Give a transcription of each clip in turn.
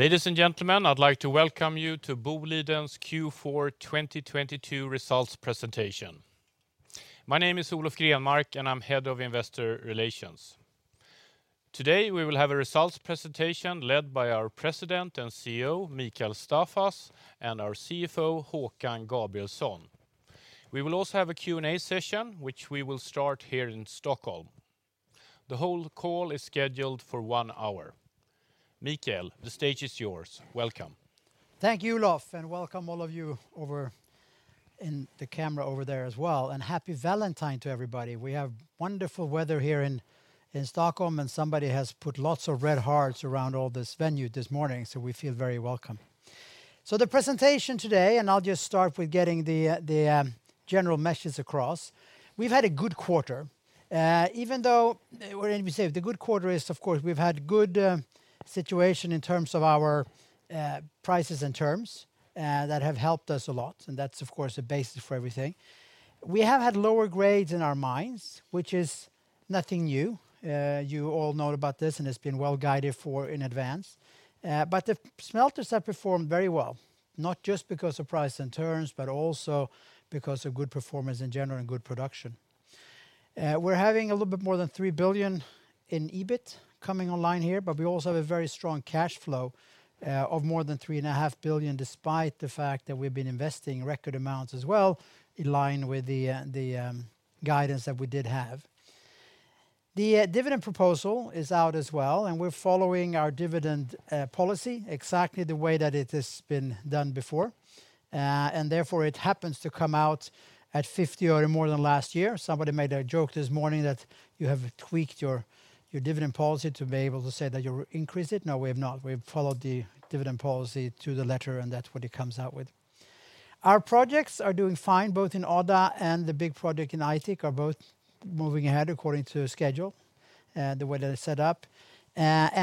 Ladies and gentlemen, I'd like to welcome you to Boliden's Q4 2022 results presentation. My name is Olof Grenmark, and I'm Head of Investor Relations. Today, we will have a results presentation led by our President and CEO, Mikael Staffas, and our CFO, Håkan Gabrielsson. We will also have a Q&A session which we will start here in Stockholm. The whole call is scheduled for one hour. Mikael, the stage is yours. Welcome. Thank you, Olof, welcome all of you over in the camera over there as well, happy Valentine to everybody. We have wonderful weather here in Stockholm, somebody has put lots of red hearts around all this venue this morning, we feel very welcome. The presentation today, I'll just start with getting the general message across. We've had a good quarter. Even though let me say, the good quarter is, of course, we've had good situation in terms of our prices and terms that have helped us a lot, that's of course a basis for everything. We have had lower grades in our mines, which is nothing new. You all know about this, it's been well guided for in advance. The smelters have performed very well, not just because of price and terms, but also because of good performance in general and good production. We're having a little bit more than 3 billion in EBIT coming online here. We also have a very strong cash flow of more than 3.5 billion, despite the fact that we've been investing record amounts as well in line with the guidance that we did have. The dividend proposal is out as well. We're following our dividend policy exactly the way that it has been done before. Therefore it happens to come out at 50 or more than last year. Somebody made a joke this morning that you have tweaked your dividend policy to be able to say that you increased it. No, we have not. We've followed the dividend policy to the letter, and that's what it comes out with. Our projects are doing fine, both in Odda and the big project in Aitik are both moving ahead according to schedule, the way that it's set up.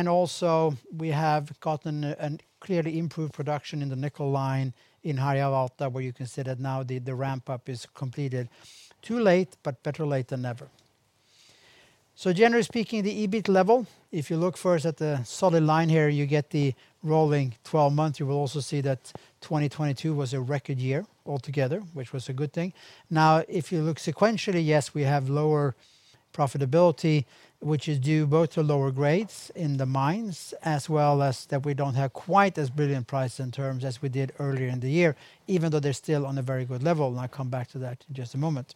Also, we have gotten a clearly improved production in the nickel line in Harjavalta, where you can see that now the ramp-up is completed. Too late, but better late than never. Generally speaking, the EBIT level, if you look first at the solid line here, you get the rolling 12 months. You will also see that 2022 was a record year altogether, which was a good thing. If you look sequentially, yes, we have lower profitability, which is due both to lower grades in the mines, as well as that we don't have quite as brilliant price and terms as we did earlier in the year, even though they're still on a very good level, and I'll come back to that in just a moment.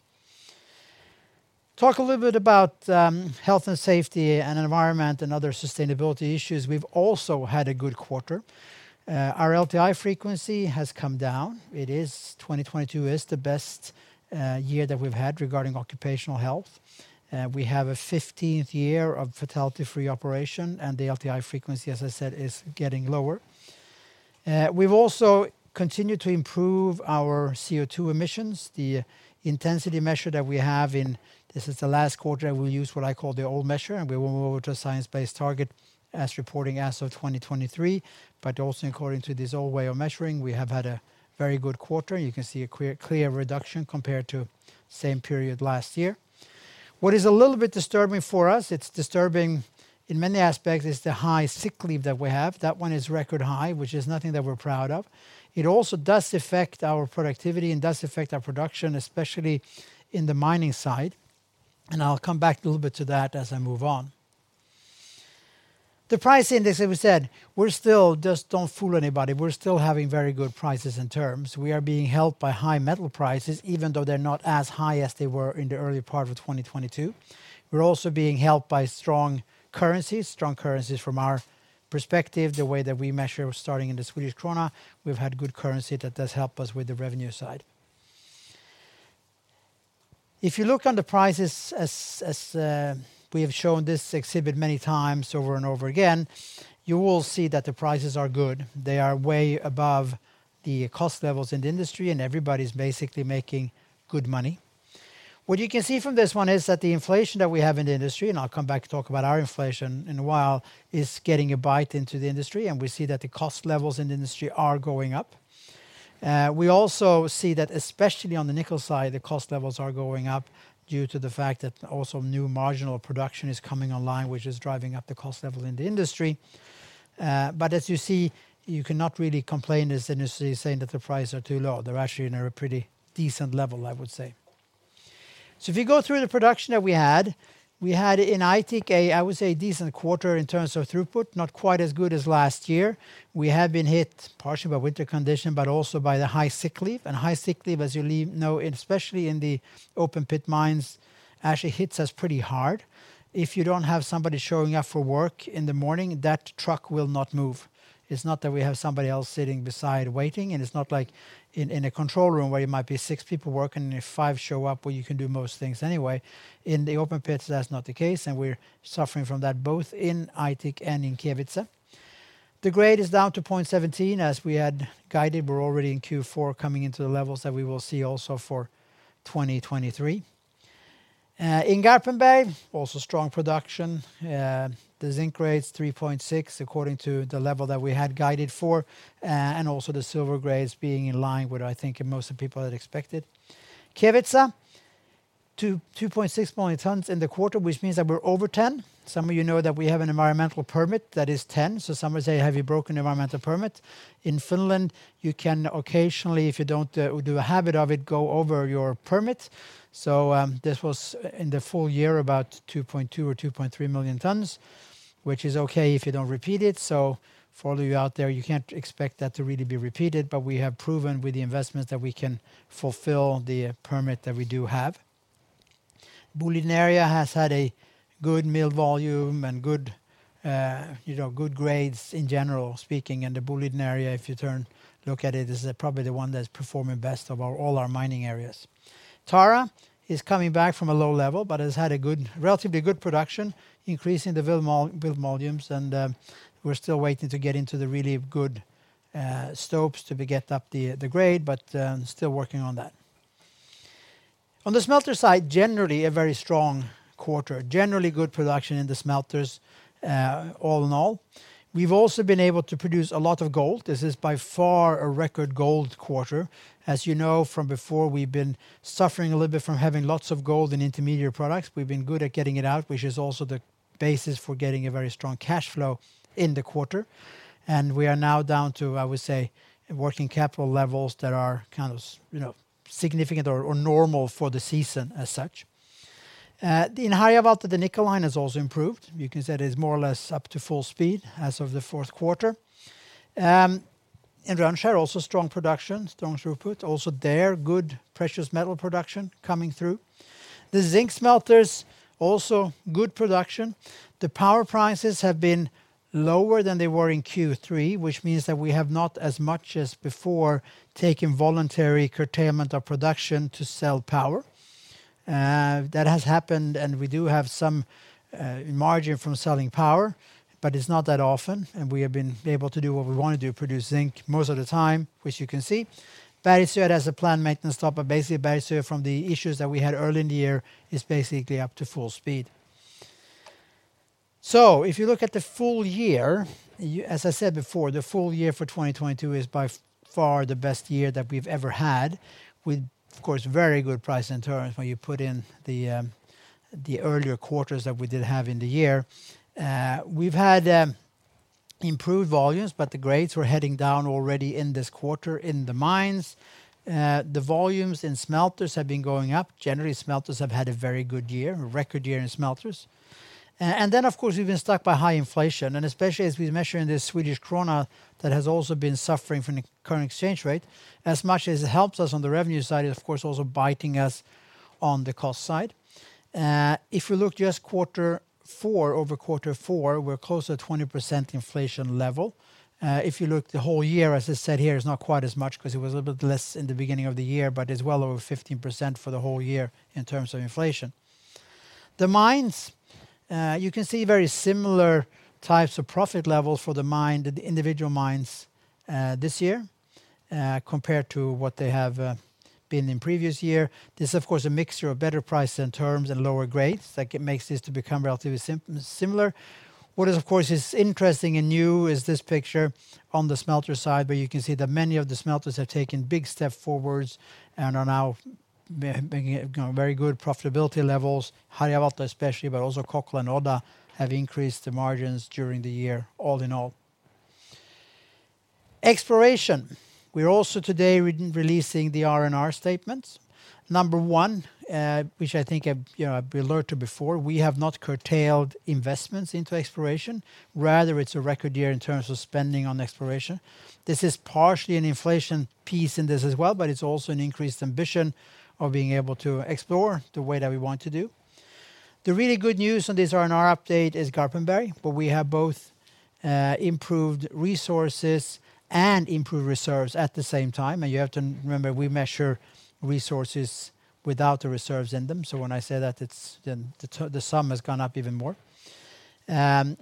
Talk a little bit about health and safety and environment and other sustainability issues. We've also had a good quarter. Our LTI frequency has come down. 2022 is the best year that we've had regarding occupational health. We have a 15th year of fatality-free operation, and the LTI frequency, as I said, is getting lower. We've also continued to improve our CO2 emissions. The intensity measure that we have. This is the last quarter we'll use what I call the old measure, and we will move to a science-based target as reporting as of 2023. Also according to this old way of measuring, we have had a very good quarter. You can see a clear reduction compared to same period last year. What is a little bit disturbing for us, it's disturbing in many aspects, is the high sick leave that we have. That one is record high, which is nothing that we're proud of. It also does affect our productivity and does affect our production, especially in the mining side, and I'll come back a little bit to that as I move on. The price index, as we said, we're still just don't fool anybody. We're still having very good prices and terms. We are being helped by high metal prices, even though they're not as high as they were in the early part of 2022. We're also being helped by strong currencies, strong currencies from our perspective, the way that we measure starting in the Swedish krona. We've had good currency that does help us with the revenue side. If you look on the prices as we have shown this exhibit many times over and over again, you will see that the prices are good. They are way above the cost levels in the industry. Everybody's basically making good money. What you can see from this one is that the inflation that we have in the industry, and I'll come back to talk about our inflation in a while, is getting a bite into the industry, and we see that the cost levels in the industry are going up. We also see that especially on the nickel side, the cost levels are going up due to the fact that also new marginal production is coming online, which is driving up the cost level in the industry. As you see, you cannot really complain as the industry is saying that the prices are too low. They're actually in a pretty decent level, I would say. If you go through the production that we had, we had in Aitik a, I would say, decent quarter in terms of throughput, not quite as good as last year. We have been hit partially by winter condition, also by the high sick leave. High sick leave, as you know, especially in the open pit mines, actually hits us pretty hard. If you don't have somebody showing up for work in the morning, that truck will not move. It's not that we have somebody else sitting beside waiting, and it's not like in a control room where you might be six people working, and if five show up, well, you can do most things anyway. In the open pits, that's not the case, and we're suffering from that both in Aitik and in Kevitsa. The grade is down to 0.17 as we had guided. We're already in Q4 coming into the levels that we will see also for 2023. In Garpenberg, also strong production. The zinc grade's 3.6 according to the level that we had guided for, and also the silver grades being in line with what I think most of the people had expected. Kevitsa, 2.6 million tons in the quarter, which means that we're over 10. Some of you know that we have an environmental permit that is 10. Some would say, "Have you broken the environmental permit?" In Finland, you can occasionally, if you don't do a habit of it, go over your permit. This was in the full year about 2.2 or 2.3 million tons, which is okay if you don't repeat it. For all of you out there, you can't expect that to really be repeated, but we have proven with the investments that we can fulfill the permit that we do have. Boliden area has had a good mill volume and good, you know, good grades in general speaking. The Boliden area, if you look at it, this is probably the one that's performing best of all our mining areas. Tara is coming back from a low level, has had relatively good production, increasing the build volumes. We're still waiting to get into the really good stopes to be get up the grade, still working on that. On the smelter side, generally a very strong quarter. Generally good production in the smelters, all in all. We've also been able to produce a lot of gold. This is by far a record gold quarter. As you know from before, we've been suffering a little bit from having lots of gold in intermediate products. We've been good at getting it out, which is also the basis for getting a very strong cash flow in the quarter. We are now down to, I would say, working capital levels that are kind of you know, significant or normal for the season as such. In Harjavalta, the nickel line has also improved. You can say that it's more or less up to full speed as of the fourth quarter. In Rönnskär also strong production, strong throughput. Also there, good precious metal production coming through. The zinc smelters also good production. The power prices have been lower than they were in Q3, which means that we have not as much as before taken voluntary curtailment of production to sell power. That has happened, we do have some margin from selling power, but it's not that often, we have been able to do what we want to do, produce zinc most of the time, which you can see. Bergsöe has a planned maintenance stop, basically Bergsöe from the issues that we had early in the year is basically up to full speed. If you look at the full year, as I said before, the full year for 2022 is by far the best year that we've ever had. With of course, very good price in terms when you put in the earlier quarters that we did have in the year. We've had improved volumes, but the grades were heading down already in this quarter in the mines. The volumes in smelters have been going up. Generally, smelters have had a very good year, a record year in smelters. Of course, we've been stuck by high inflation, and especially as we measure in the Swedish krona that has also been suffering from the current exchange rate. As much as it helps us on the revenue side, it's of course also biting us on the cost side. If you look just quarter four, over quarter four, we're close to 20% inflation level. If you look the whole year, as I said, here it's not quite as much because it was a little bit less in the beginning of the year, but it's well over 15% for the whole year in terms of inflation. The mines, you can see very similar types of profit levels for the mine, the individual mines, this year, compared to what they have been in previous year. This is of course a mixture of better price and terms and lower grades that makes this to become relatively similar. What is of course is interesting and new is this picture on the smelter side, where you can see that many of the smelters have taken big step forwards and are now making it, you know, very good profitability levels. Harjavalta especially, but also Kokkola and Odda have increased the margins during the year all in all. Exploration. We're also today releasing the R&R statements. Number one, which I think I've, you know, I've alerted before, we have not curtailed investments into exploration. Rather, it's a record year in terms of spending on exploration. This is partially an inflation piece in this as well, but it's also an increased ambition of being able to explore the way that we want to do. The really good news on this R&R update is Garpenberg, where we have both improved resources and improved reserves at the same time. You have to remember, we measure resources without the reserves in them. When I say that, it's, then the sum has gone up even more.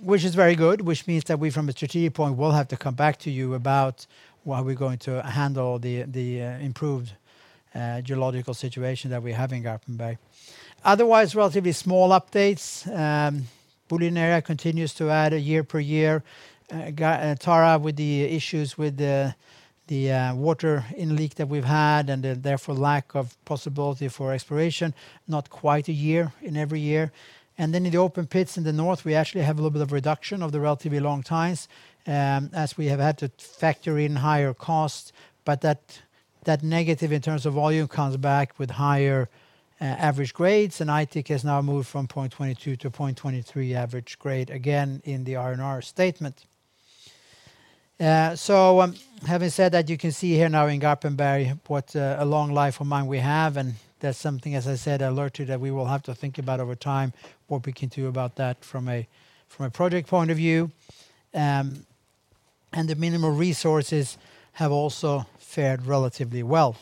Which is very good, which means that we from a strategic point will have to come back to you about how we're going to handle the improved geological situation that we have in Garpenberg. Otherwise, relatively small updates. Boliden Area continues to add a year per year. Tara with the issues with the water inleak that we've had and the therefore lack of possibility for exploration, not quite a year in every year. Then in the open pits in the north, we actually have a little bit of reduction of the relatively long times, as we have had to factor in higher costs, but that negative in terms of volume comes back with higher average grades. Aitik is now moved from 0.22-0.23 average grade again in the R&R statement. Having said that, you can see here now in Garpenberg what a long life of mine we have, and that's something, as I said, I alert you that we will have to think about over time what we can do about that from a project point of view. The minimum resources have also fared relatively well.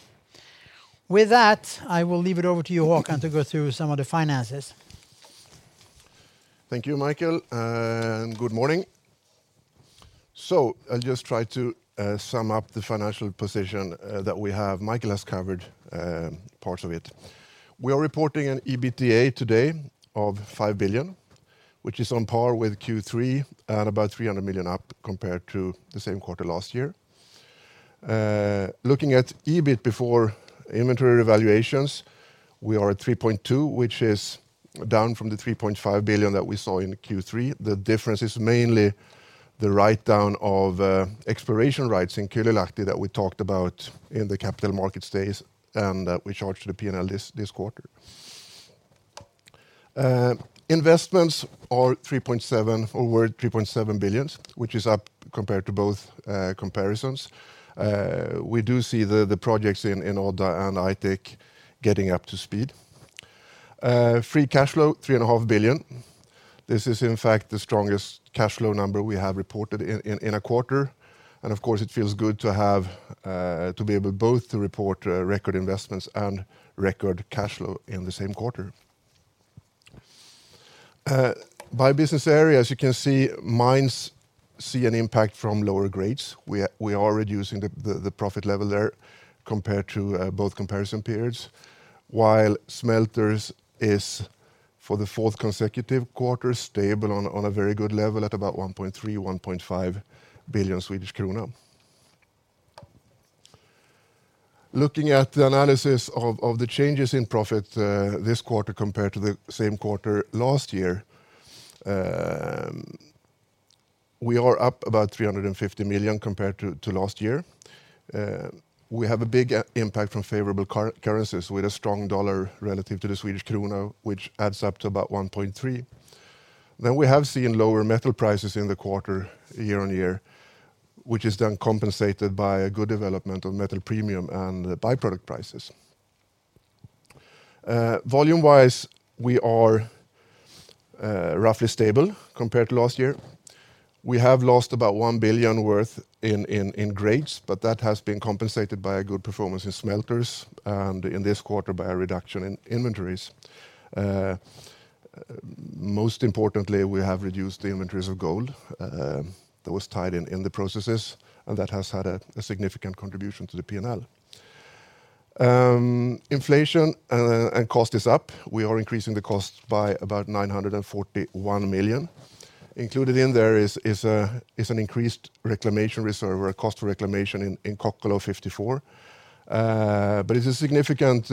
With that, I will leave it over to you, Håkan, to go through some of the finances. Thank you, Mikael. Good morning. I'll just try to sum up the financial position that we have. Mikael has covered parts of it. We are reporting an EBITDA today of 5 billion, which is on par with Q3 and about 300 million up compared to the same quarter last year. Looking at EBIT before inventory evaluations, we are at 3.2 billion, which is down from the 3.5 billion that we saw in Q3. The difference is mainly the write-down of exploration rights in Kylylahti that we talked about in the Capital Markets Day, and that we charged to the P&L this quarter. Investments are over 3.7 billion, which is up compared to both comparisons. We do see the projects in Olza and Aitik getting up to speed. Free cash flow, 3.5 billion. This is in fact, the strongest cash flow number we have reported in a quarter, and of course it feels good to have to be able both to report record investments and record cash flow in the same quarter. By business area, as you can see, mines see an impact from lower grades. We are reducing the profit level there compared to both comparison periods. While smelters is, for the fourth consecutive quarter, stable on a very good level at about 1.3 billion-1.5 billion Swedish krona. Looking at the analysis of the changes in profit this quarter compared to the same quarter last year, we are up about 350 million compared to last year. We have a big impact from favorable currencies with a strong dollar relative to the Swedish krona, which adds up to about 1.3. We have seen lower metal prices in the quarter year-on-year, which is then compensated by a good development of metal premium and the by-product prices. Volume-wise, we are roughly stable compared to last year. We have lost about 1 billion worth in grades, but that has been compensated by a good performance in smelters, and in this quarter by a reduction in inventories. Most importantly, we have reduced the inventories of gold that was tied in the processes, and that has had a significant contribution to the P&L. Inflation and cost is up. We are increasing the cost by about 941 million. Included in there is an increased reclamation reserve or a cost for reclamation in Kokkola 54. It's a significant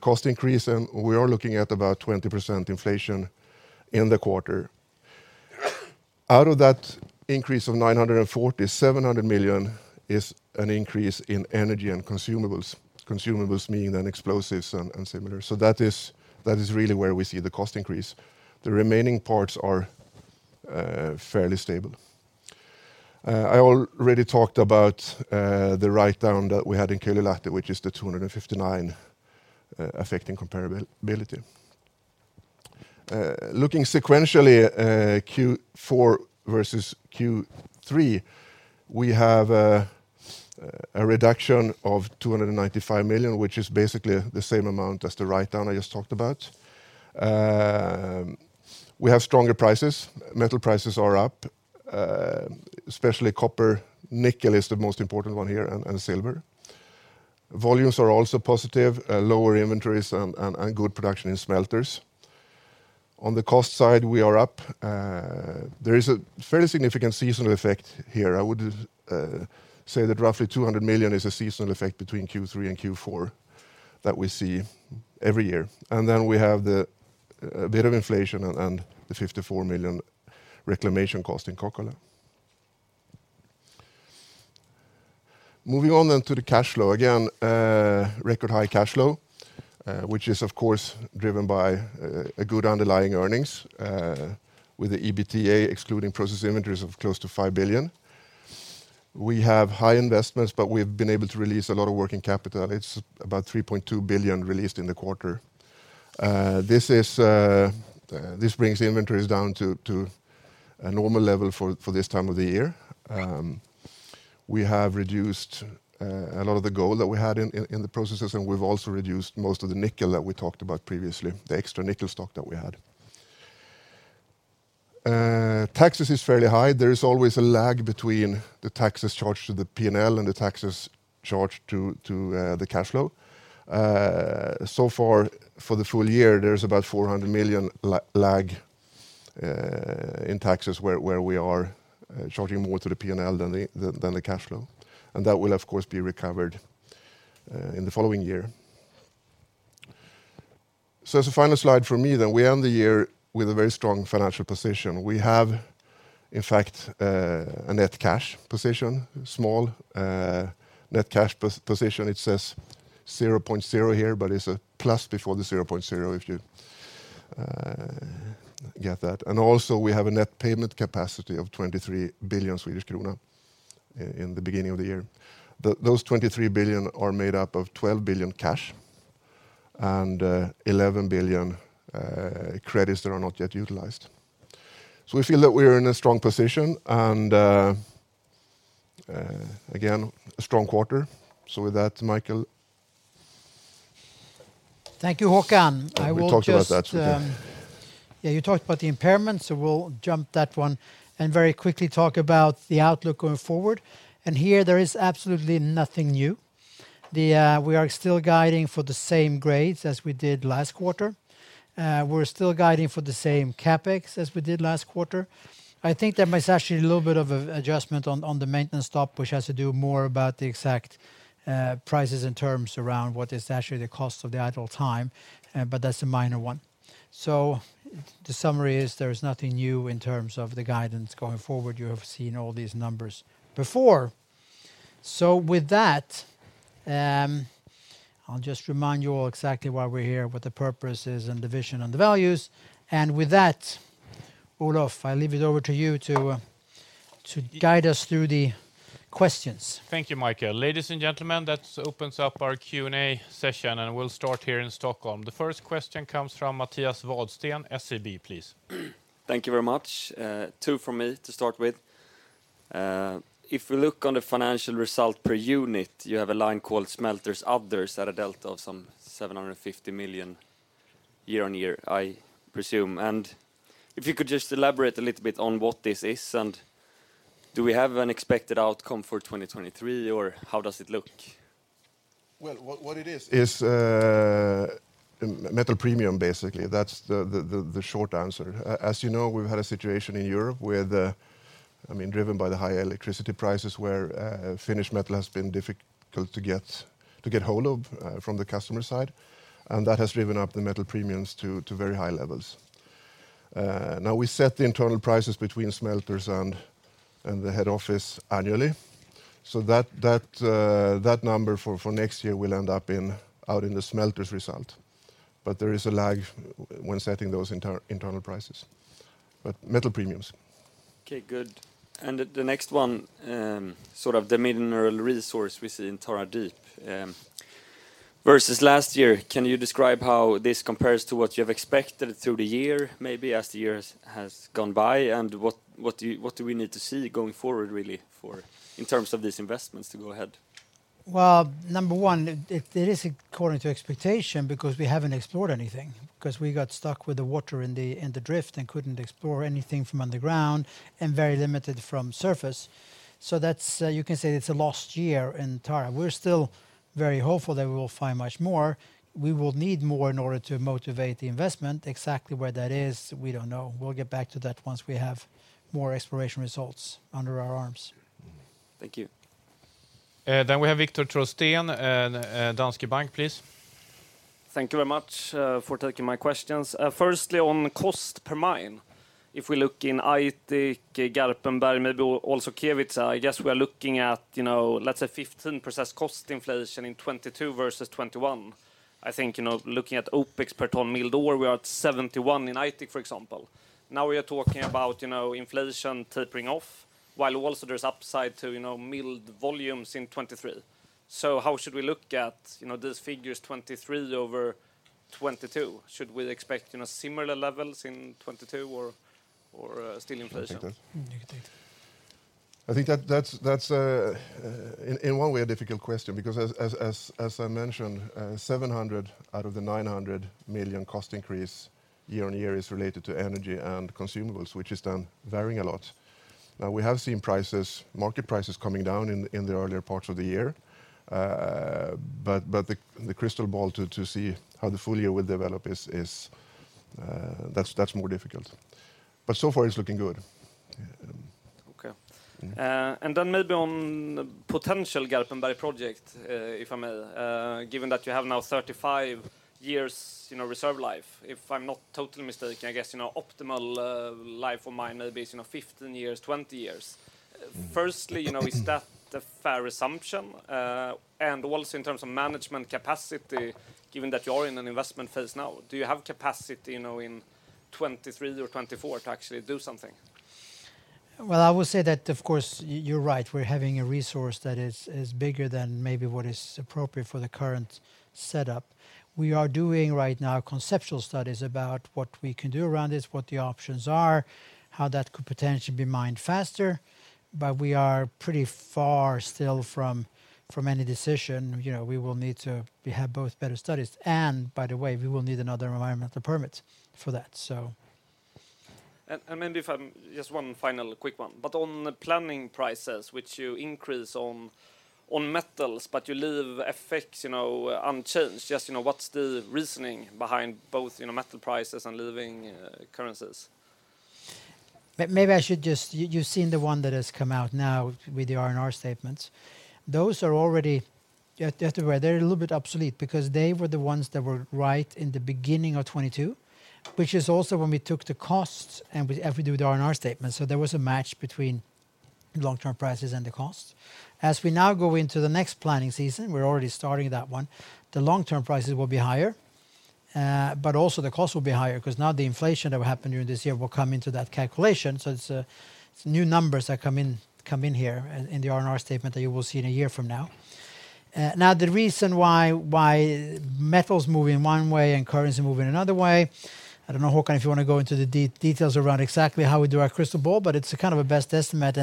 cost increase, and we are looking at about 20% inflation in the quarter. Out of that increase of 940, 700 million is an increase in energy and consumables. Consumables meaning then explosives and similar. That is really where we see the cost increase. The remaining parts are fairly stable. I already talked about the write-down that we had in Kylylahti, which is the 259, affecting comparability. Looking sequentially, Q4 versus Q3, we have a reduction of 295 million, which is basically the same amount as the write-down I just talked about. We have stronger prices. Metal prices are up, especially copper. Nickel is the most important one here, and silver. Volumes are also positive. Lower inventories and good production in smelters. On the cost side, we are up. There is a fairly significant seasonal effect here. I would say that roughly 200 million is a seasonal effect between Q3 and Q4 that we see every year. Then we have the bit of inflation and the 54 million reclamation cost in Kokkola. Moving on to the cash flow. Again, record high cash flow, which is of course driven by a good underlying earnings, with the EBITDA excluding process inventories of close to 5 billion. We have high investments, but we've been able to release a lot of working capital. It's about 3.2 billion released in the quarter. This brings the inventories down to a normal level for this time of the year. We have reduced a lot of the gold that we had in the processes, and we've also reduced most of the nickel that we talked about previously, the extra nickel stock that we had. Taxes is fairly high. There is always a lag between the taxes charged to the P&L and the taxes charged to the cash flow. So far for the full year, there's about 400 million lag in taxes where we are charging more to the P&L than the cash flow. That will of course be recovered in the following year. As a final slide for me then, we end the year with a very strong financial position. We have, in fact, a net cash position, small, net cash position. It says 0.0 here, but it's a plus before the 0.0 if you get that. We have a net payment capacity of 23 billion Swedish krona in the beginning of the year. Those 23 billion are made up of 12 billion cash and 11 billion credits that are not yet utilized. We feel that we are in a strong position and again, a strong quarter. With that, Mikael. Thank you, Håkan. I will. We talked about that. Yeah, you talked about the impairments, so we'll jump that one and very quickly talk about the outlook going forward. Here there is absolutely nothing new. The we are still guiding for the same grades as we did last quarter. We're still guiding for the same CapEx as we did last quarter. I think there might actually a little bit of a adjustment on the maintenance stop, which has to do more about the exact prices and terms around what is actually the cost of the idle time, but that's a minor one. The summary is there's nothing new in terms of the guidance going forward. You have seen all these numbers before. With that, I'll just remind you all exactly why we're here, what the purpose is, and the vision, and the values. With that, Olof, I leave it over to you to guide us through the questions. Thank you, Mikael. Ladies and gentlemen, that opens up our Q&A session. We'll start here in Stockholm. The first question comes from Mattias Vadsten, SEB, please. Thank you very much. Two from me to start with. If we look on the financial result per unit, you have a line called smelters others at a delta of some 750 million year-on-year, I presume. If you could just elaborate a little bit on what this is, and do we have an expected outcome for 2023 or how does it look? Well, what it is, metal premium, basically. That's the short answer. As you know, we've had a situation in Europe where the, I mean, driven by the high electricity prices where finished metal has been difficult to get hold of from the customer side, and that has driven up the metal premiums to very high levels. Now we set the internal prices between smelters and the head office annually so that that number for next year will end up in, out in the smelters result. There is a lag when setting those internal prices. Metal premiums. Okay. Good. The next one, sort of the mineral resource we see in Tara Deep, versus last year. Can you describe how this compares to what you have expected through the year maybe as the years has gone by and what do we need to see going forward really for in terms of these investments to go ahead? Well, number one, it is according to expectation because we haven't explored anything 'cause we got stuck with the water in the drift and couldn't explore anything from underground and very limited from surface. That's, you can say it's a lost year in Tara. We're still very hopeful that we will find much more. We will need more in order to motivate the investment. Exactly where that is, we don't know. We'll get back to that once we have more exploration results under our arms. Thank you. We have Viktor Trollsten, Danske Bank, please. Thank you very much for taking my questions. Firstly on cost per mine. If we look in Aitik, Garpenberg, maybe also Kevitsa, I guess we are looking at, you know, let's say 15% cost inflation in 2022 versus 2021. I think, you know, looking at OpEx per ton milled ore, we are at 71 in Aitik, for example. Now we are talking about, you know, inflation tapering off, while also there's upside to, you know, milled volumes in 2023. How should we look at, you know, these figures 2023 over 2022? Should we expect, you know, similar levels in 2022 or still inflation? You can take that. You can take that. I think that's in one way a difficult question because as I mentioned, 700 million out of the 900 million cost increase year-on-year is related to energy and consumables, which is then varying a lot. We have seen prices, market prices coming down in the earlier parts of the year. The crystal ball to see how the full year will develop is that's more difficult. So far it's looking good. Yeah. Okay. Maybe on potential Garpenberg project, if I may. Given that you have now 35 years', you know, reserve life. If I'm not totally mistaken, I guess, you know, optimal life of mine maybe is, you know, 15 years, 20 years. Firstly, you know, is that the fair assumption? Also in terms of management capacity, given that you're in an investment phase now, do you have capacity, you know, in 2023 or 2024 to actually do something? Well, I would say that of course you're right. We're having a resource that is bigger than maybe what is appropriate for the current setup. We are doing right now conceptual studies about what we can do around this, what the options are, how that could potentially be mined faster. We are pretty far still from any decision. You know, we will need to have both better studies and, by the way, we will need another environmental permit for that, so. Maybe if I'm... Just one final quick one. On the planning prices, which you increase on metals, but you leave FX, you know, unchanged. Just, you know, what's the reasoning behind both, you know, metal prices and leaving currencies? maybe I should just... You've seen the one that has come out now with the R&R statements. Those are already... You have to be aware they're a little bit obsolete because they were the ones that were right in the beginning of 2022, which is also when we took the costs and we, as we do the R&R statement. There was a match between long-term prices and the costs. As we now go into the next planning season, we're already starting that one, the long-term prices will be higher, but also the costs will be higher 'cause now the inflation that will happen during this year will come into that calculation, it's new numbers that come in here in the R&R statement that you will see in a year from now. Now the reason why metal's moving one way and currency moving another way, I don't know, Håkan, if you want to go into the details around exactly how we do our crystal ball. It's a kind of a best estimate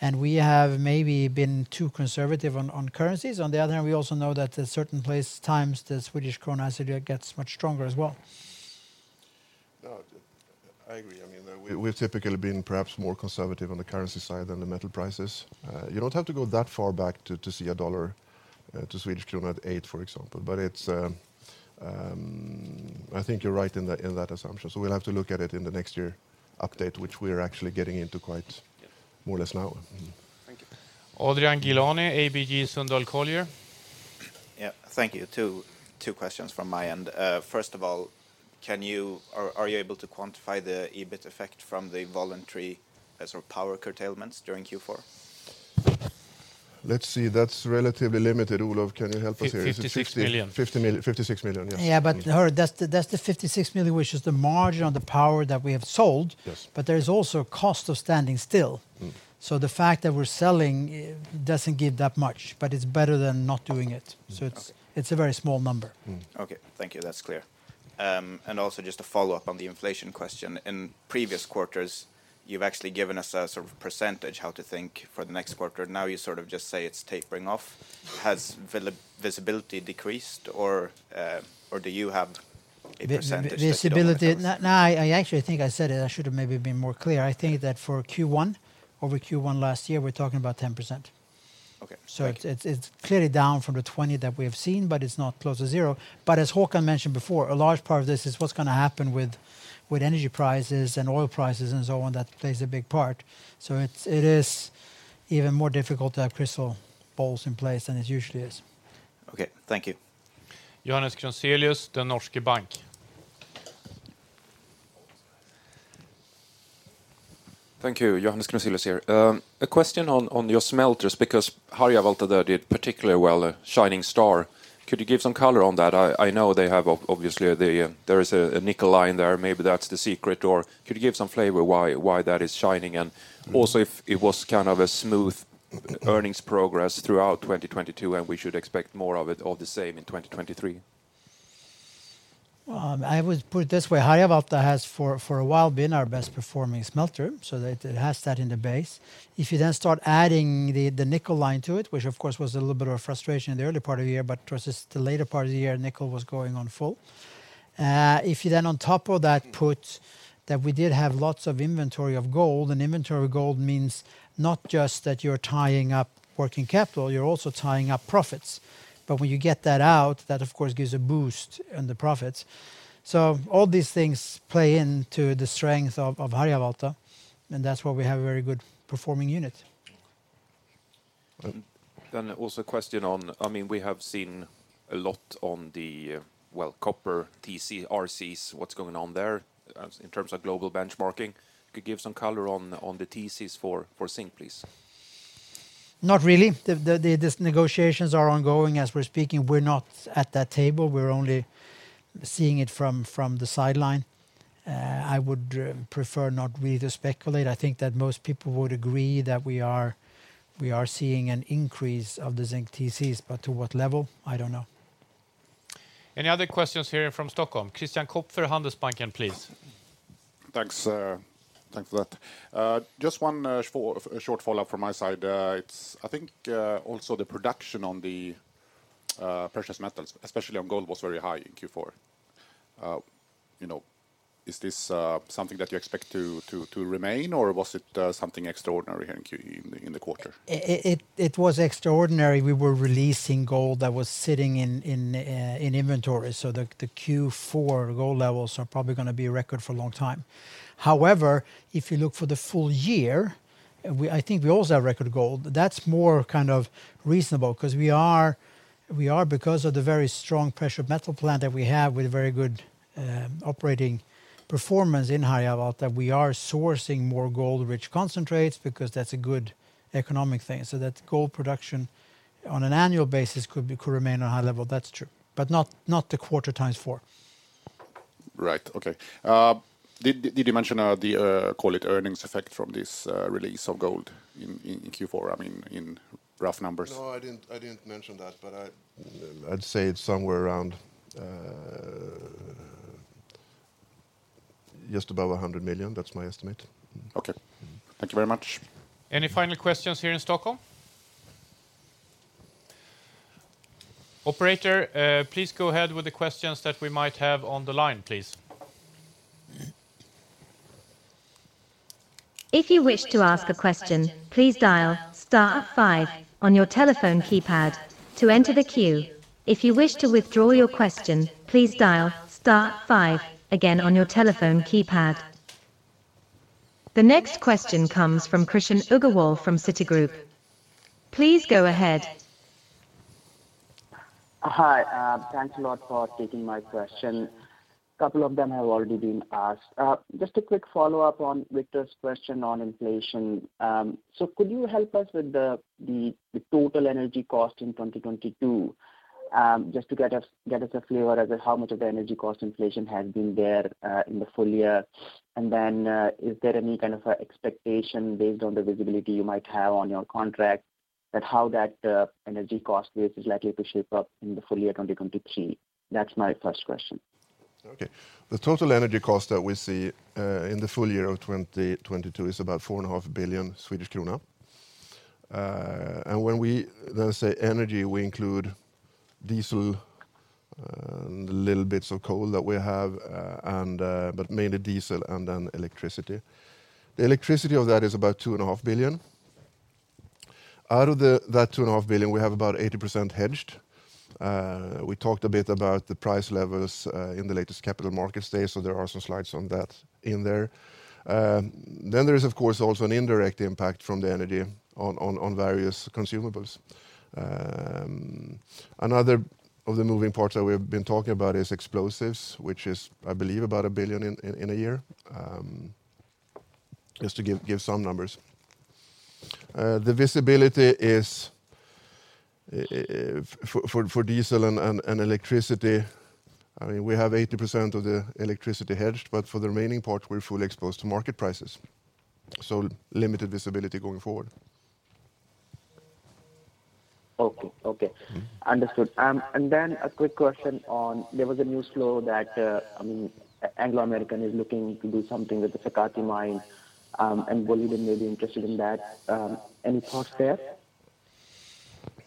and we have maybe been too conservative on currencies. On the other hand, we also know that at certain times, the Swedish krona actually gets much stronger as well. No, I agree. I mean, we've typically been perhaps more conservative on the currency side than the metal prices. You don't have to go that far back to see a dollar to Swedish krona at eight, for example. I think you're right in that assumption, so we'll have to look at it in the next year update, which we are actually getting into. Yeah. More or less now. Mm-hmm. Thank you. Adrian Gilani, ABG Sundal Collier. Yeah. Thank you. Two questions from my end. First of all, are you able to quantify the EBIT effect from the voluntary sort of power curtailments during Q4? Let's see. That's relatively limited. Olof, can you help us here? 50- 56 million. 56 million, yes. Yeah, Harry, that's the 56 million, which is the margin on the power that we have sold. Yes. There's also cost of standing still. Mm. The fact that we're selling, doesn't give that much, but it's better than not doing it. Mm. It's a very small number. Mm. Okay. Thank you. That's clear. Also just a follow-up on the inflation question. In previous quarters, you've actually given us a sort of percentage how to think for the next quarter. Now you sort of just say it's tapering off. Has visibility decreased or do you have a percentage that you don't want to disclose? Visibility. No, I actually think I said it. I should have maybe been more clear. I think that for Q1, over Q1 last year, we're talking about 10%. Okay. Great. It's clearly down from the 20 that we have seen, but it's not close to zero. As Håkan mentioned before, a large part of this is what's gonna happen with energy prices and oil prices and so on. That plays a big part. It is even more difficult to have crystal balls in place than it usually is. Okay. Thank you. Johannes Grunselius, DNB Markets. Thank you. Johannes Grunselius here. A question on your smelters because Harjavalta did particularly well, a shining star. Could you give some color on that? I know they have obviously the there is a nickel line there. Maybe that's the secret. Or could you give some flavor why that is shining? Mm. Also if it was kind of a smooth earnings progress throughout 2022, and we should expect more of it or the same in 2023. I would put it this way. Harjavalta has for a while been our best performing smelter, so that it has that in the base. If you then start adding the nickel line to it, which of course was a little bit of a frustration in the early part of the year, but towards the later part of the year, nickel was going on full. If you then on top of that put that we did have lots of inventory of gold, and inventory gold means not just that you're tying up working capital, you're also tying up profits. When you get that out, that of course gives a boost in the profits. All these things play into the strength of Harjavalta, and that's why we have a very good performing unit. Also a question on, I mean, we have seen a lot on the, well, copper TC, RCs, what's going on there in terms of global benchmarking. Could give some color on the TCs for zinc, please? Not really. This negotiations are ongoing as we're speaking. We're not at that table. We're only seeing it from the sideline. I would prefer not really to speculate. I think that most people would agree that we are seeing an increase of the zinc TCs, but to what level? I don't know. Any other questions here from Stockholm? Christian Kopfer, Handelsbanken, please. Thanks. Thanks for that. Just one short follow-up from my side. It's I think, also the production on the precious metals, especially on gold, was very high in Q4. You know, is this something that you expect to remain, or was it something extraordinary here in the quarter? It was extraordinary. We were releasing gold that was sitting in inventory, the Q4 gold levels are probably gonna be a record for a long time. If you look for the full year, I think we also have record gold. That's more kind of reasonable 'cause we are because of the very strong precious metals plant that we have with very good operating performance in Harjavalta. We are sourcing more gold-rich concentrates because that's a good economic thing. That gold production on an annual basis could remain on a high level. That's true. Not the quarter times 4. Right. Okay. did you mention the call it earnings effect from this release of gold in Q4, I mean, in rough numbers? No, I didn't, I didn't mention that, but I'd say it's somewhere around just above 100 million. That's my estimate. Okay. Mm-hmm. Thank you very much. Any final questions here in Stockholm? Operator, please go ahead with the questions that we might have on the line, please. If you wish to ask a question, please dial star 5 on your telephone keypad to enter the queue. If you wish to withdraw your question, please dial star 5 again on your telephone keypad. The next question comes from Krishan Agarwal from Citigroup. Please go ahead. Hi. Thanks a lot for taking my question. Couple of them have already been asked. Just a quick follow-up on Viktor's question on inflation. Could you help us with the total energy cost in 2022, just to get us a flavor as to how much of the energy cost inflation has been there in the full year? Is there any kind of a expectation based on the visibility you might have on your contract that how that energy cost base is likely to shape up in the full year 2023? That's my first question. Okay. The total energy cost that we see, in the full year of 2022 is about four and a half billion Swedish krona. When we then say energy, we include diesel, and the little bits of coal that we have, and, but mainly diesel and then electricity. The electricity of that is about 2.5 billion. Out of that 2.5 billion, we have about 80% hedged. We talked a bit about the price levels in the latest Capital Markets Day, so there are some slides on that in there. There is of course also an indirect impact from the energy on various consumables. Another of the moving parts that we've been talking about is explosives, which is, I believe, about 1 billion in a year, just to give some numbers. limited for diesel and electricity. We have 80% of the electricity hedged, but for the remaining part, we are fully exposed to market prices. Limited visibility going forward Okay. Okay. Mm-hmm. Understood. A quick question on there was a news flow that, I mean, Anglo American is looking to do something with the Sakatti mine, and Boliden may be interested in that. Any thoughts there?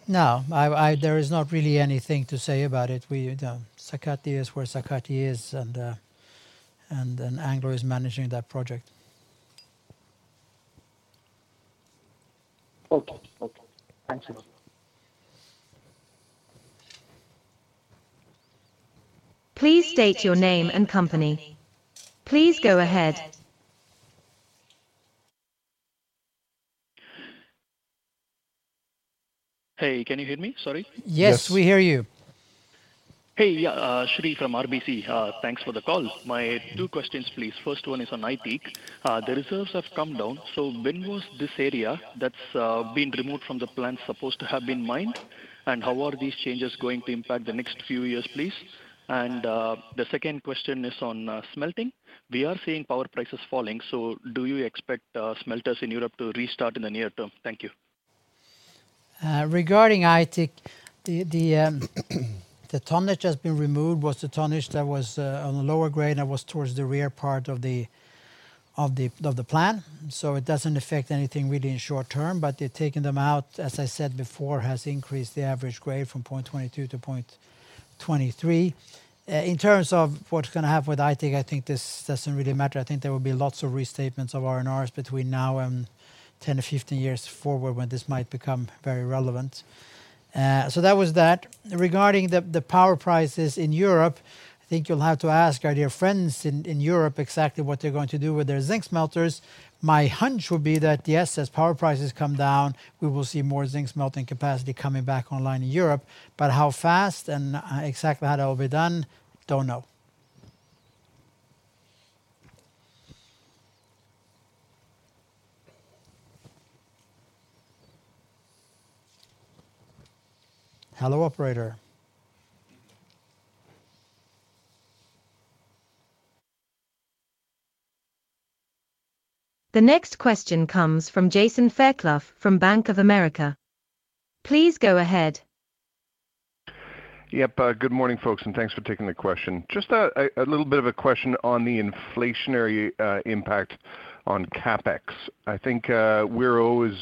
No. I. There is not really anything to say about it. We, Sakatti is where Sakatti is, and then Anglo is managing that project. Okay. Okay. Thank you. Please state your name and company. Please go ahead. Hey, can you hear me? Sorry. Yes, we hear you. Hey. Yeah. Shri from RBC. Thanks for the call. My two questions, please. First one is on Aitik. The reserves have come down, so when was this area that's been removed from the plant supposed to have been mined? How are these changes going to impact the next few years, please? The second question is on smelting. We are seeing power prices falling, so do you expect smelters in Europe to restart in the near term? Thank you. Regarding Aitik, the tonnage that has been removed was the tonnage that was on the lower grade that was towards the rear part of the plant. It doesn't affect anything really in short term, but taking them out, as I said before, has increased the average grade from 0.22 to 0.23. In terms of what's gonna happen with Aitik, I think this doesn't really matter. I think there will be lots of restatements of R&Rs between now and 10-15 years forward when this might become very relevant. That was that. Regarding the power prices in Europe, I think you'll have to ask our dear friends in Europe exactly what they're going to do with their zinc smelters. My hunch would be that, yes, as power prices come down, we will see more zinc smelting capacity coming back online in Europe. How fast and, exactly how that will be done, don't know. Hello, operator. The next question comes from Jason Fairclough from Bank of America. Please go ahead. Yep. Good morning, folks, and thanks for taking the question. Just a little bit of a question on the inflationary impact on CapEx. I think we're always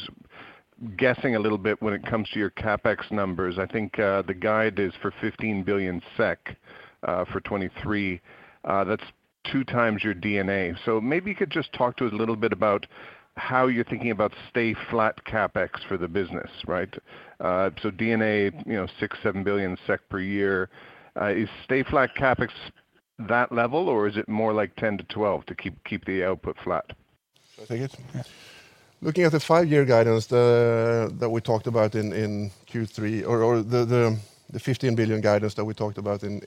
guessing a little bit when it comes to your CapEx numbers. I think the guide is for 15 billion SEK for 2023. That's two times your NAV. Maybe you could just talk to us a little bit about how you're thinking about stay-flat CapEx for the business, right? NAV, you know, 6 billion-7 billion SEK per year. Is stay-flat CapEx that level or is it more like 10 billion-12 billion to keep the output flat? Should I take it? Yes. Looking at the five-year guidance, that we talked about in Q3 or the 15 billion guidance that we talked about in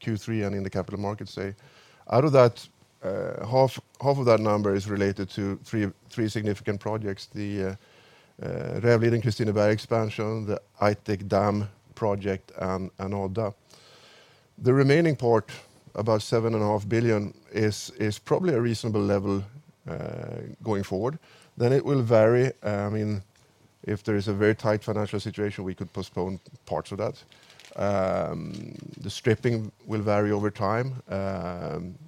Q3 and in the Capital Markets Day, out of that, half of that number is related to three significant projects, the Rävliden-Kristineberg expansion, the Aitik dam project and Odda. The remaining part, about seven and a half billion is probably a reasonable level going forward. It will vary. I mean, if there is a very tight financial situation, we could postpone parts of that. The stripping will vary over time,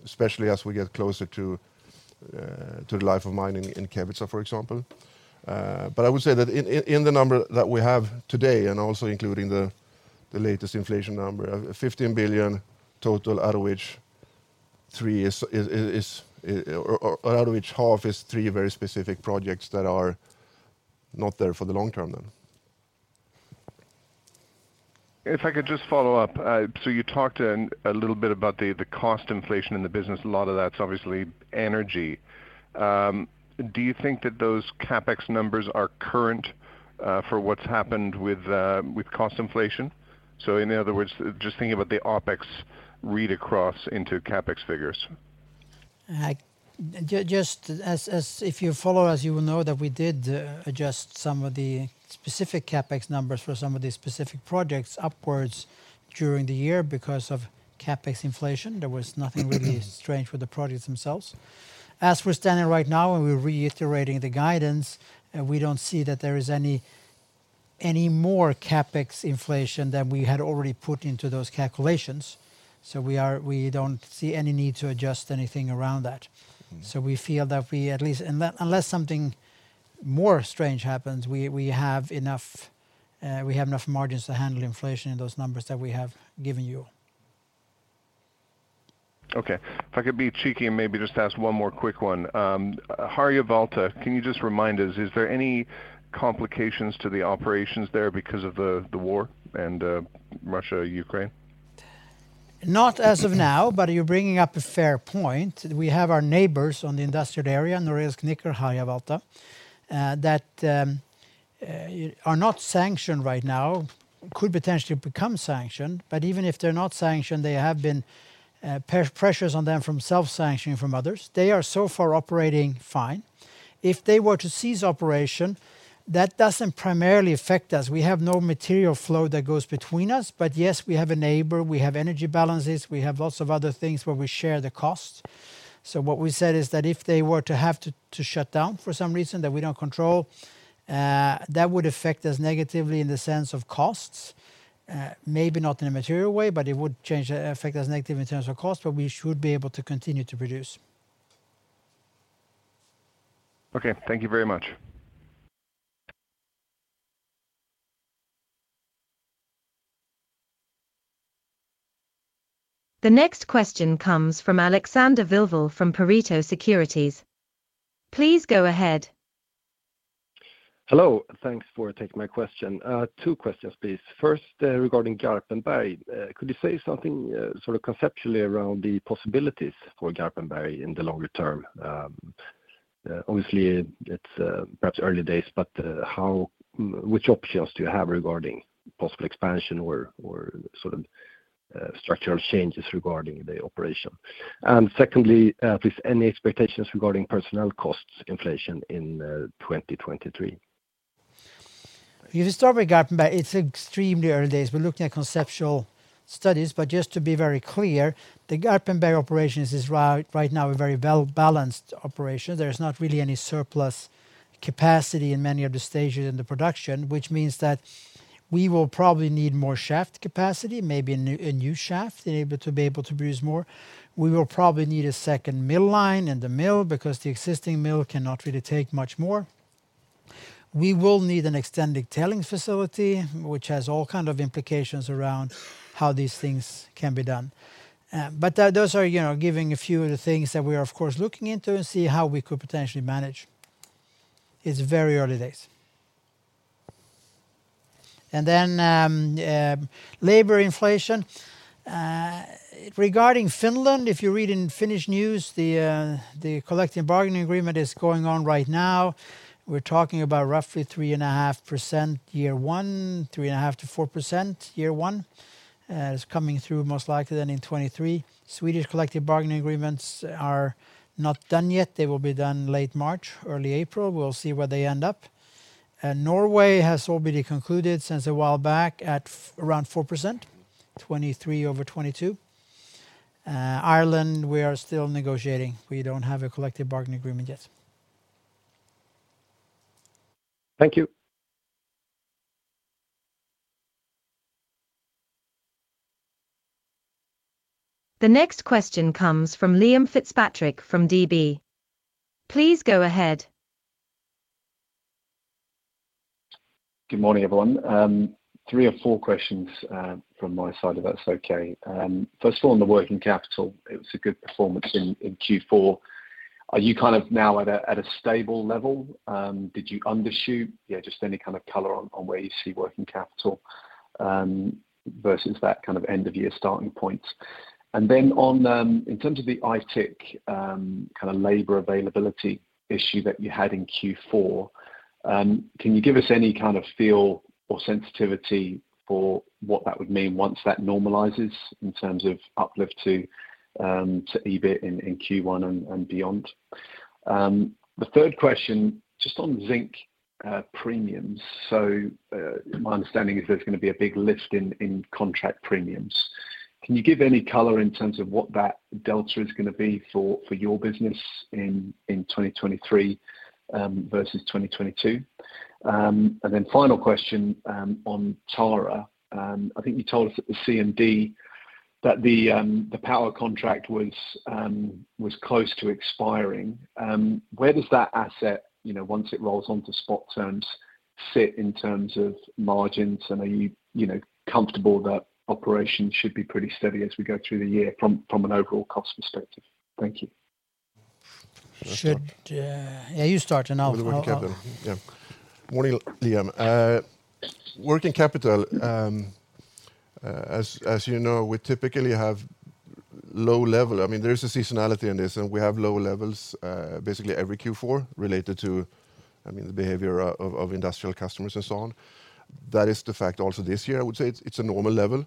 especially as we get closer to the life of mining in Kevitsa, for example. I would say that in the number that we have today, and also including the latest inflation number of 15 billion total, out of which 3 billion Or out of which half is three very specific projects that are not there for the long term then. If I could just follow up. You talked a little bit about the cost inflation in the business. A lot of that's obviously energy. Do you think that those CapEx numbers are current for what's happened with cost inflation? In other words, just thinking about the OpEx read across into CapEx figures. Just as, if you follow us, you will know that we did adjust some of the specific CapEx numbers for some of the specific projects upwards during the year because of CapEx inflation. There was nothing really strange with the projects themselves. As we're standing right now and we're reiterating the guidance, we don't see that there is any more CapEx inflation than we had already put into those calculations. We don't see any need to adjust anything around that. We feel that we at least unless something more strange happens, we have enough margins to handle inflation in those numbers that we have given you. Okay. If I could be cheeky and maybe just ask one more quick one. Harjavalta, can you just remind us, is there any complications to the operations there because of the war and Russia, Ukraine? Not as of now, but you're bringing up a fair point. We have our neighbors on the industrial area, Norilsk Nickel, Harjavalta, that are not sanctioned right now, could potentially become sanctioned, but even if they're not sanctioned, they have been pressures on them from self-sanctioning from others. They are so far operating fine. If they were to cease operation, that doesn't primarily affect us. We have no material flow that goes between us, but yes, we have a neighbor, we have energy balances, we have lots of other things where we share the costs. What we said is that if they were to have to shut down for some reason that we don't control, that would affect us negatively in the sense of costs. Maybe not in a material way, but it would affect us negative in terms of cost, but we should be able to continue to produce. Okay. Thank you very much. The next question comes from Alexander Vilval from Pareto Securities. Please go ahead. Hello. Thanks for taking my question. Two questions, please. First, regarding Garpenberg, could you say something sort of conceptually around the possibilities for Garpenberg in the longer term? Obviously it's perhaps early days, but which options do you have regarding possible expansion or sort of structural changes regarding the operation? Secondly, if any expectations regarding personnel costs inflation in 2023. You start with Garpenberg, it's extremely early days. We're looking at conceptual studies, just to be very clear, the Garpenberg operations is right now a very well balanced operation. There's not really any surplus capacity in many of the stages in the production, which means that we will probably need more shaft capacity, maybe a new shaft able to be able to produce more. We will probably need a second mill line in the mill because the existing mill cannot really take much more. We will need an extended tailing facility, which has all kind of implications around how these things can be done. Those are, you know, giving a few of the things that we are of course looking into and see how we could potentially manage. It's very early days. Then labor inflation. Regarding Finland, if you read in Finnish news, the collective bargaining agreement is going on right now. We're talking about roughly 3.5% year one, 3.5%-4% year one. It's coming through most likely then in 2023. Swedish collective bargaining agreements are not done yet. They will be done late March, early April. We'll see where they end up. Norway has already concluded since a while back at around 4%, 2023 over 2022. Ireland, we are still negotiating. We don't have a collective bargaining agreement yet. Thank you. The next question comes from Liam Fitzpatrick from Deutsche Bank. Please go ahead. Good morning, everyone. Three or four questions from my side, if that's okay. First one on the working capital, it was a good performance in Q4. Are you kind of now at a stable level? Did you undershoot? Yeah, just any kind of color on where you see working capital versus that kind of end of year starting point. In terms of the Aitik kind of labor availability issue that you had in Q4, can you give us any kind of feel or sensitivity for what that would mean once that normalizes in terms of uplift to EBIT in Q1 and beyond? The third question, just on zinc premiums. My understanding is there's gonna be a big lift in contract premiums. Can you give any color in terms of what that delta is gonna be for your business in 2023 versus 2022? Then final question on Tara. I think you told us at the CMD that the power contract was close to expiring. Where does that asset, you know, once it rolls onto spot terms, fit in terms of margins? Are you know, comfortable that operations should be pretty steady as we go through the year from an overall cost perspective? Thank you. Should. Yeah, you start and I'll. With the working capital. Morning, Liam. Working capital, as you know, we typically have low level. I mean, there is a seasonality in this, and we have low levels, basically every Q4 related to, I mean, the behavior of industrial customers and so on. That is the fact also this year. I would say it's a normal level.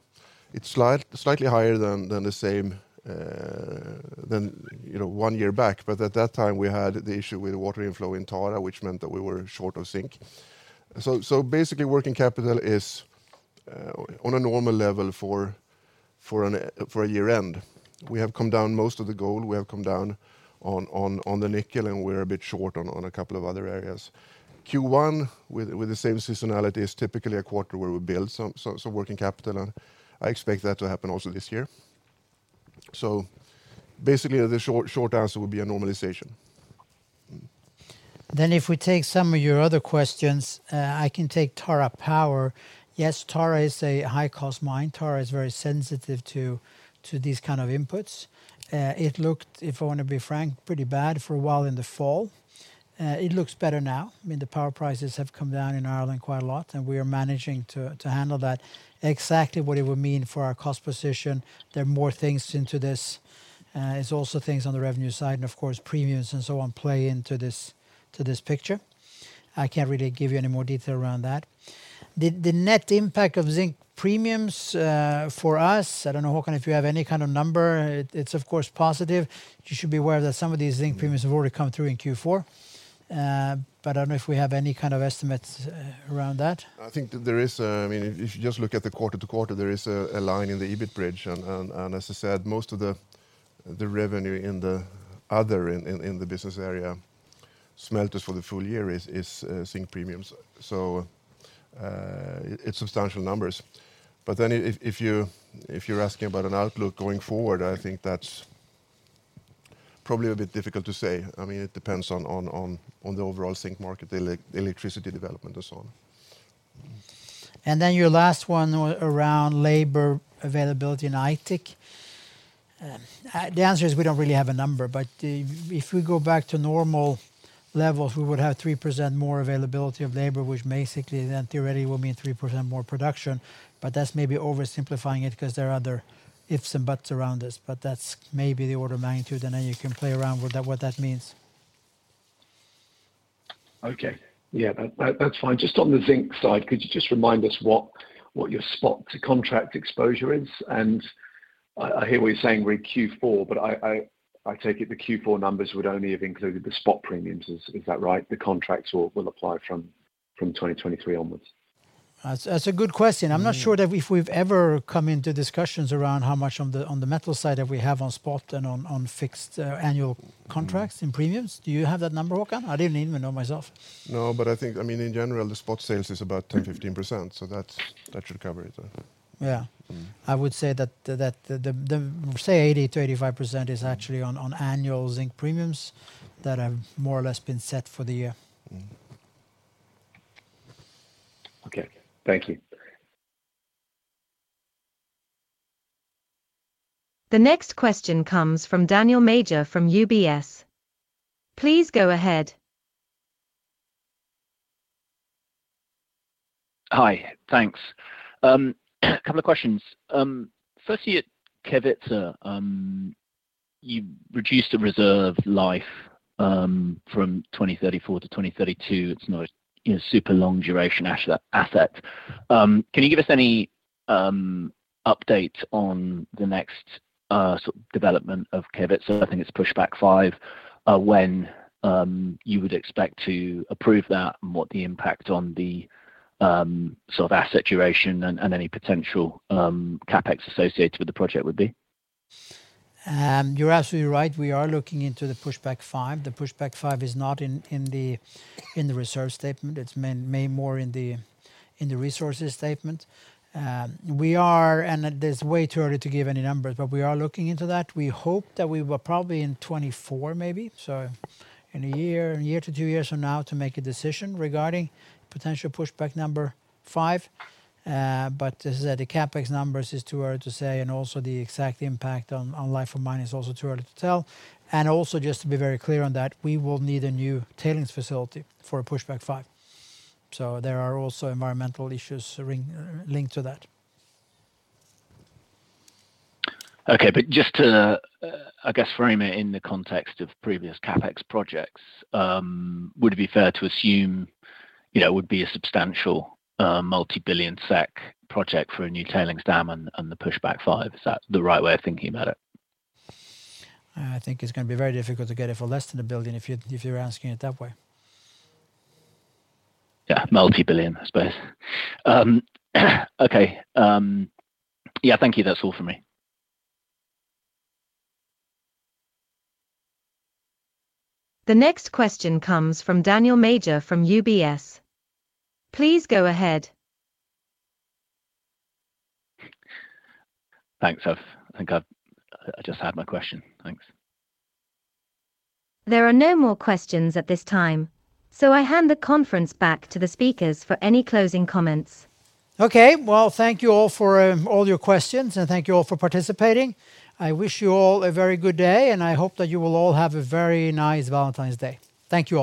It's slightly higher than the same, than, you know, one year back, at that time, we had the issue with water inflow in Tara, which meant that we were short of zinc. Basically, working capital is on a normal level for a year-end. We have come down most of the gold, we have come down on the nickel, and we're a bit short on a couple of other areas. Q1 with the same seasonality is typically a quarter where we build some working capital, and I expect that to happen also this year. Basically, the short answer would be a normalization. If we take some of your other questions, I can take Tara Power. Yes, Tara is a high-cost mine. Tara is very sensitive to these kind of inputs. It looked, if I want to be frank, pretty bad for a while in the fall. It looks better now. I mean, the power prices have come down in Ireland quite a lot, and we are managing to handle that. Exactly what it would mean for our cost position, there are more things into this. It's also things on the revenue side and of course premiums and so on play into this, to this picture. I can't really give you any more detail around that. The net impact of zinc premiums for us, I don't know, Håkan, if you have any kind of number. It's of course positive. You should be aware that some of these zinc premiums have already come through in Q4. I don't know if we have any kind of estimates around that. I think that there is, I mean, if you just look at the quarter to quarter, there is a line in the EBIT bridge. As I said, most of the revenue in the other in the business area smelters for the full year is zinc premiums. It's substantial numbers. If you're asking about an outlook going forward, I think that's probably a bit difficult to say. I mean, it depends on the overall zinc market, the electricity development and so on. Your last one around labor availability in Aitik. The answer is we don't really have a number. If we go back to normal levels, we would have 3% more availability of labor, which basically then theoretically will mean 3% more production. That's maybe oversimplifying it 'cause there are other ifs and buts around this, but that's maybe the order of magnitude, and then you can play around with that, what that means. Okay. Yeah. That's fine. Just on the zinc side, could you just remind us what your spot to contract exposure is? I hear what you're saying re Q4, but I take it the Q4 numbers would only have included the spot premiums. Is that right? The contracts all will apply from 2023 onwards. That's a good question. I'm not sure that if we've ever come into discussions around how much on the, on the metal side that we have on spot than on fixed annual contracts in premiums. Do you have that number, Håkan? I didn't even know myself. No, I think, I mean, in general, the spot sales is about 10%-15%. That's, that should cover it. Yeah. I would say that the say 80%-85% is actually on annual zinc premiums that have more or less been set for the year. Okay. Thank you. The next question comes from Daniel Major from UBS. Please go ahead. Hi. Thanks. Couple of questions. Firstly at Kevitsa, you reduced the reserve life from 2034 to 2032. It's not, you know, super long duration as-asset. Can you give us any update on the next sort of development of Kevitsa? I think it's Pushback Five. When you would expect to approve that and what the impact on the sort of asset duration and any potential CapEx associated with the project would be? You're absolutely right. We are looking into the Pushback Five. The Pushback Five is not in the reserve statement. It's made more in the resources statement. It is way too early to give any numbers, but we are looking into that. We hope that we will probably in 2024 maybe, so in 1-2 years from now to make a decision regarding potential Pushback number 5. As I said, the CapEx numbers is too early to say. Also, the exact impact on life of mining is also too early to tell. Just to be very clear on that, we will need a new tailings facility for Pushback Five. There are also environmental issues linked to that. Okay. Just to, I guess frame it in the context of previous CapEx projects, would it be fair to assume, you know, it would be a substantial, multi-billion SEK project for a new tailings dam on the Pushback Five? Is that the right way of thinking about it? I think it's gonna be very difficult to get it for less than 1 billion if you're asking it that way. Multi-billion, I suppose. Okay. Thank you. That's all for me. The next question comes from Daniel Major from UBS. Please go ahead. Thanks. I think I've... I just had my question. Thanks. There are no more questions at this time, so I hand the conference back to the speakers for any closing comments. Okay. Well, thank you all for all your questions, and thank you all for participating. I wish you all a very good day, and I hope that you will all have a very nice Valentine's Day. Thank you.